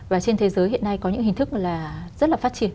và trên thế giới hiện nay có những hình thức là rất là phát triển